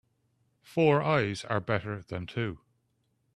Four eyes are better than two.